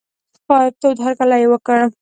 تود هرکلی یې وکړ.